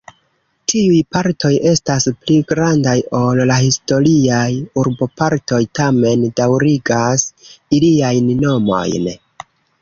Tiuj partoj estas pli grandaj ol la historiaj urbopartoj, tamen daŭrigas iliajn nomojn.